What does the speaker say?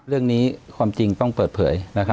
เรื่องนี้ความจริงต้องเปิดเผย